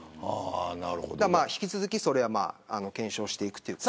引き続き、それは検証していくという。